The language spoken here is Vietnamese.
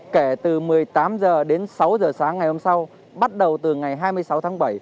kể từ một mươi tám h đến sáu h sáng ngày hôm sau bắt đầu từ ngày hai mươi sáu tháng bảy